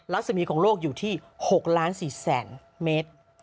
รัศมีของโลกอยู่ที่๖ล้าน๔แสนเมตร